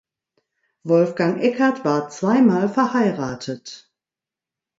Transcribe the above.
Wolfgang Eckardt war zweimal verheiratet.